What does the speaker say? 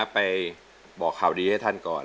ไปบอกข่าวดีให้ท่านก่อน